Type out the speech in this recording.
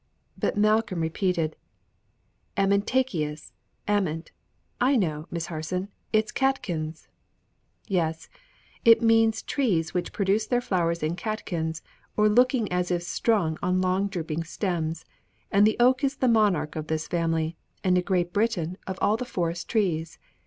But Malcolm repeated: "Amentaceous ament. I know, Miss Harson: it's catkins" "Yes, it means trees which produce their flowers in catkins, or looking as if strung on long drooping stems; and the oak is the monarch of this family, and in Great Britain of all the forest trees.